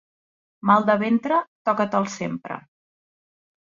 Mal de ventre toca-te'l sempre.